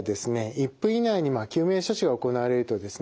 １分以内に救命処置が行われるとですね